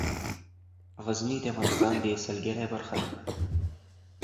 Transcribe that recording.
غزني د افغانستان د سیلګرۍ برخه ده.